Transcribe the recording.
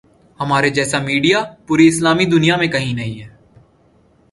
ہمارے جیسا میڈیا پوری اسلامی دنیا میں کہیں نہیں۔